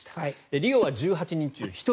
リオは１８人中１人。